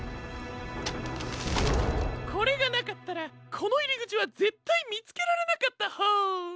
これがなかったらこのいりぐちはぜったいみつけられなかったホォー。